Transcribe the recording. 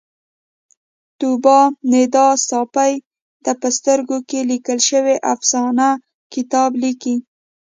طوبا ندا ساپۍ د په سترګو کې لیکل شوې افسانه کتاب لیکلی